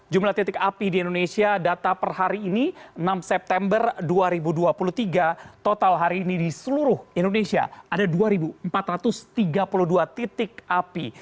jumlah titik api di indonesia data per hari ini enam september dua ribu dua puluh tiga total hari ini di seluruh indonesia ada dua empat ratus tiga puluh dua titik api